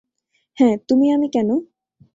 হ্যাঁ, তুমি আমি কেনো?